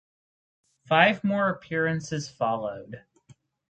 Five more appearances followed.